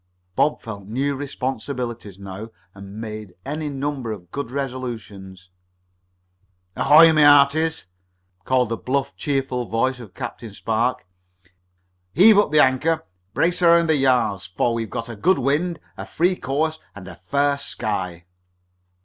Bob felt new responsibilities now, and made any number of good resolutions. "Ahoy, my hearties!" called the bluff, cheerful voice of Captain Spark. "Heave up the anchor, brace around the yards, for we've got a good wind, a free course and a fair sky!"